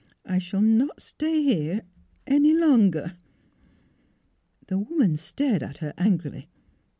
I shall not stay here any longer." The woman stared at her angrily.